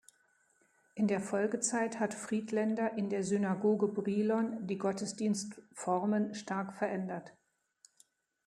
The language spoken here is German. In der Folgezeit hat Friedländer in der Synagoge Brilon die Gottesdienstformen stark verändert.